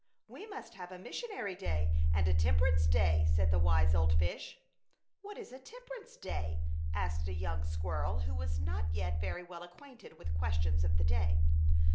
'' We must have a Missionary Day and a Temperance Day," said the wise old fish. What is a Temperance Day?" asked a young squirrel, who was not A Chautauqua Idyl. 75 yet very well acquainted with the questions of the day.